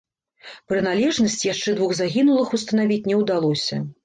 Прыналежнасць яшчэ двух загінулых устанавіць не ўдалося.